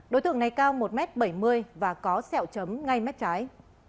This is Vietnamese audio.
đối tượng này cao một m bảy mươi và có sẹo chấm ngay mép trái